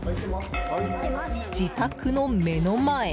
自宅の目の前。